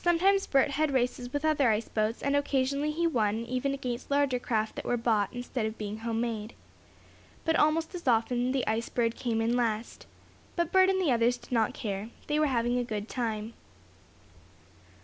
Sometimes Bert had races with other ice boats, and occasionally he won even against larger craft that were bought, instead of being home made. But almost as often the Ice Bird came in last. But Bert and the others did not care. They were having a good time.